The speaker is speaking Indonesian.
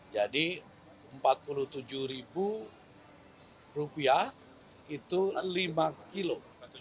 jadi empat puluh tujuh rupiah itu lima kilo